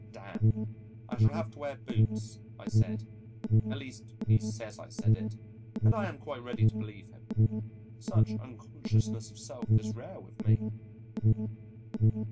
"Damn! I shall have to wear boots," I said at least he says I said it, and I am quite ready to believe him. Such unconsciousness of self is rare with me.